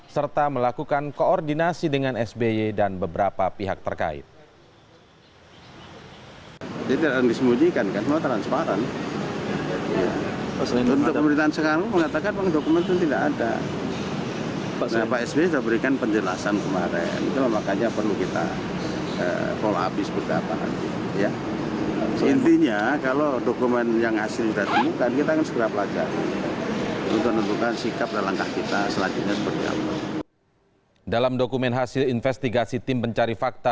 serta melakukan koordinasi dengan sby dan beberapa pihak terkait